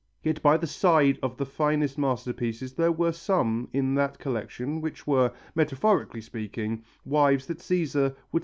Yet by the side of the finest masterpieces there were some in that collection which were, metaphorically speaking, wives that Cæsar would certainly have repudiated.